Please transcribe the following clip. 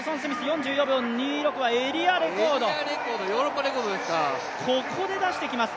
４４秒２６はエリアレコード、ここで出してきます。